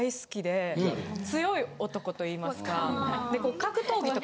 強い男と言いますか。